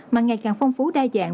mà ngày càng phong phú đa dạng